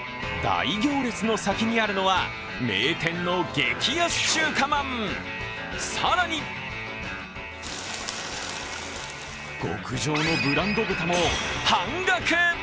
大行列の先にあるのは名店の激安中華まん、更に極上のブランド豚も半額。